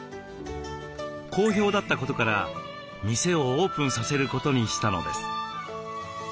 好評だったことから店をオープンさせることにしたのです。